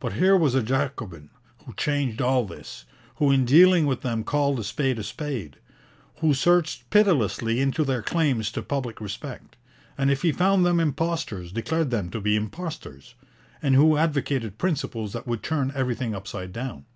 But here was a Jacobin who changed all this; who in dealing with them called a spade a spade; who searched pitilessly into their claims to public respect, and if he found them impostors declared them to be impostors; and who advocated principles that would turn everything upside down.